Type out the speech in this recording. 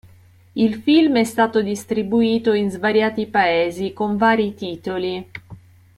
Il film è stato distribuito in svariati paesi, con vari titoli.